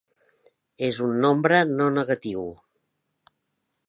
És un nombre no negatiu.